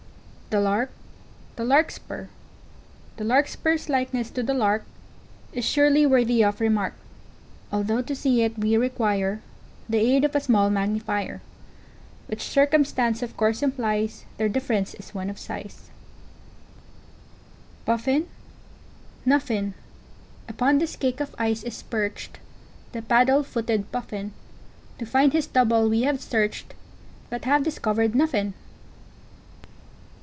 The Lark. The Larkspur. [Illustration: The Lark. The Larkspur.] The Larkspur's likeness to the Lark Is surely worthy of remark, Although to see it we require The aid of a small magnifier, Which circumstance of course implies, Their difference is one of size. Puffin. Nuffin. [Illustration: Puffin. Nuffin.] Upon this cake of ice is perched, The paddle footed Puffin: To find his double we have searched, But have discovered Nuffin!